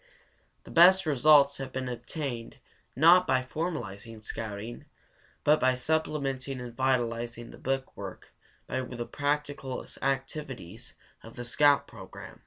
The best results have been obtained not by formalizing scouting, but by supplementing and vitalizing the book work by the practical activities of the scout program.